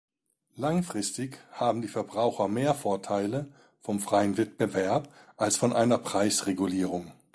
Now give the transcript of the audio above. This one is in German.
Langfristig haben die Verbraucher mehr Vorteile vom freien Wettbewerb als von einer Preisregulierung.